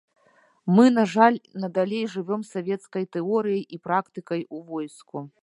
Мы, на жаль, надалей жывём савецкай тэорыяй і практыкай у войску.